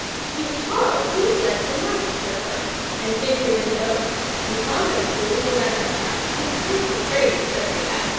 "King Charles he fled from Worcester fight And hid him in an Oak; In convent schools no man of tact Would trace and praise his every act.